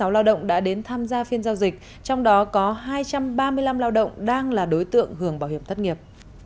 hai trăm tám mươi sáu lao động đã đến tham gia phiên giao dịch trong đó có hai trăm ba mươi năm lao động đang là đối tượng hưởng bảo hiểm thất nghiệp